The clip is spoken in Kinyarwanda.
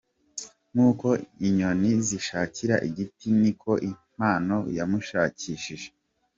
Nk’uko inyoni zishakira igiti niko impano yamushakishije.